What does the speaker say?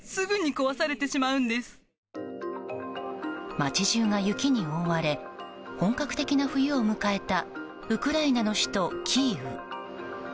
街中が雪に覆われ本格的な冬を迎えたウクライナの首都キーウ。